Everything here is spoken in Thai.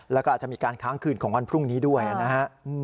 แล้วก็อาจจะมีการค้างคืนของวันพรุ่งนี้ด้วยนะฮะ